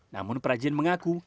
namun prajin mengaku